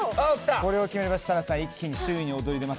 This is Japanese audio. これを決めれば設楽さん一気に首位に躍り出ます。